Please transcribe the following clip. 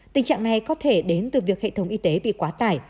tình trạng này có thể đến từ việc hệ thống y tế bị quá tải